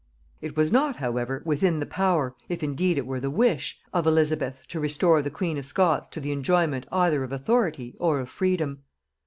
It was not however within the power, if indeed it were the wish, of Elizabeth to restore the queen of Scots to the enjoyment either of authority or of freedom.